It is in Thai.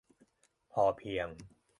'พอเพียง'